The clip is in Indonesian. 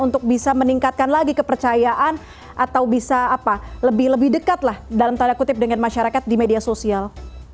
untuk bisa meningkatkan lagi kepercayaan atau bisa lebih dekat lah dalam tanda kutip dengan masyarakat di media sosial